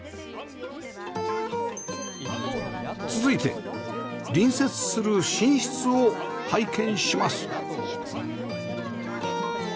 続いて隣接する寝室を拝見します